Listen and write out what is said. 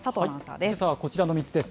けさはこちらの３つです。